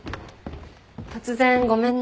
突然ごめんね。